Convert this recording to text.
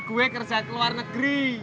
gue kerja ke luar negeri